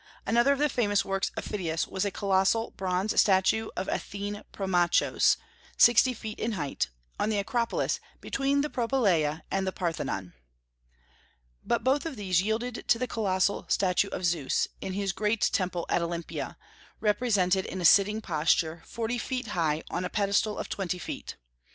Another of the famous works of Phidias was a colossal bronze statue of Athene Promachos, sixty feet in height, on the Acropolis between the Propylaea and the Parthenon. But both of these yielded to the colossal statue of Zeus in his great temple at Olympia, represented in a sitting posture, forty feet high, on a pedestal of twenty feet.